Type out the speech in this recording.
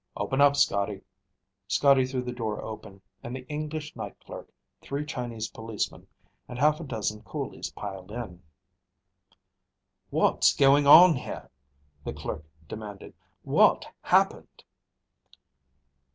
Open up, Scotty." Scotty threw the door open and the English night clerk, three Chinese policemen, and half a dozen coolies piled in. "What's going on here?" the clerk demanded. "What happened?"